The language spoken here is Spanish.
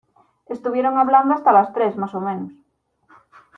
Estuvieron hablando hasta las tres, más o menos.